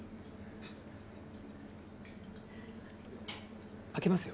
では開けますよ。